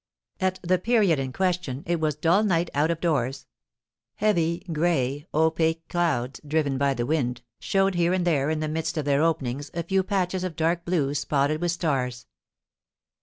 At the period in question it was a dull night out of doors; heavy, gray, opaque clouds, driven by the wind, showed here and there in the midst of their openings a few patches of dark blue spotted with stars.